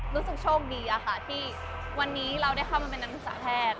รู้สึกโชคดีอะค่ะที่วันนี้เราได้เข้ามาเป็นนักศึกษาแพทย์